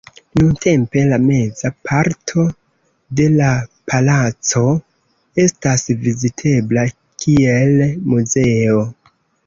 Nuntempe la meza parto de la palaco estas vizitebla kiel muzeo.